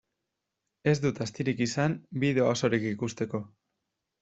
Ez dut astirik izan bideoa osorik ikusteko.